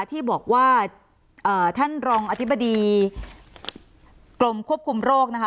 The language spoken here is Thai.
ที่บอกว่าท่านรองอธิบดีกรมควบคุมโรคนะคะ